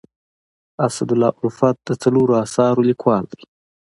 اسدالله الفت د څلورو اثارو لیکوال دی.